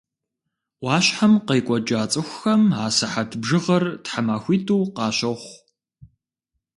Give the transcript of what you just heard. Ӏуащхьэм къекӀуэкӀа цӀыхухэм а сыхьэт бжыгъэр тхьэмахуитӀу къащохъу.